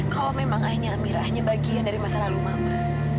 kalau memang ayahnya amira hanya bagian dari masa lalu mama